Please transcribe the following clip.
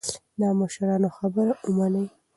د مشرانو خبره ومنئ.